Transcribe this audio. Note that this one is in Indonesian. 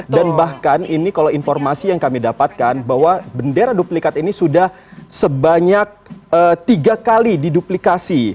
dan bahkan ini kalau informasi yang kami dapatkan bahwa bendera duplikat ini sudah sebanyak tiga kali diduplikasi